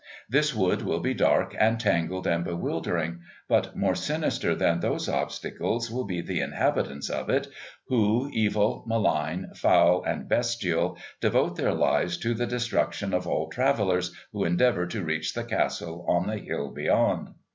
This wood will be dark and tangled and bewildering, but more sinister than those obstacles will be the inhabitants of it who, evil, malign, foul and bestial, devote their lives to the destruction of all travellers who endeavour to reach the castle on the hill beyond.